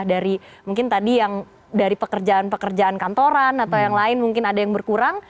dari mungkin tadi yang dari pekerjaan pekerjaan kantoran atau yang lain mungkin ada yang berkurang